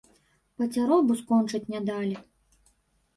Пацяробу скончыць не далі.